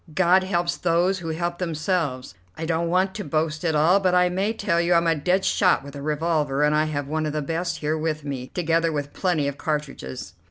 God helps those who help themselves. I don't want to boast at all, but I may tell you I'm a dead shot with a revolver, and I have one of the best here with me, together with plenty of cartridges.